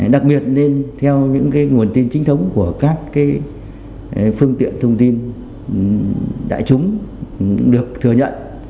đặc biệt nên theo những nguồn tin chính thống của các phương tiện thông tin đại chúng được thừa nhận